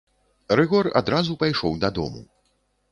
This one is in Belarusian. Рыгор адразу пайшоў дадому.